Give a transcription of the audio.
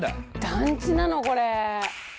団地なのこれ！